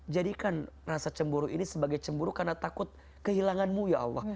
jadikan rasa cemburu ini sebagai cemburu karena takut kehilanganmu ya allah